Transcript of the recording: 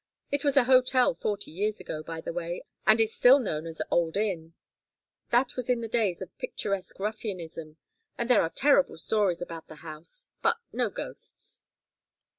It was a hotel forty years ago, by the way, and is still known as Old Inn. That was in the days of picturesque ruffianism, and there are terrible stories about the house, but no ghosts."